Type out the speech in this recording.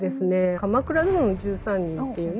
「鎌倉殿の１３人」っていうね